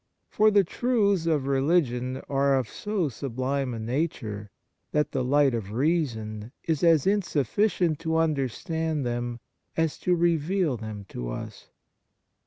For the truths of religion are of so sublime a nature that the light of reason is as insufficient to understand them as to reveal them to us.